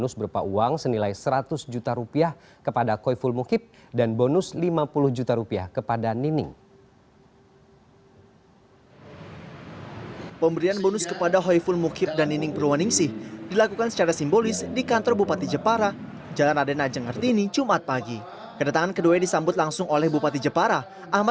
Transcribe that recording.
selalu mendoakan dan masyarakat untuk masyarakat jepara